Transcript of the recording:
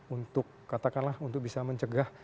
untuk katakanlah untuk bisa mencegah